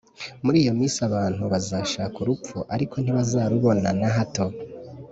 Muri iyo minsi abantu bazashaka urupfu ariko ntibazarubona na hato,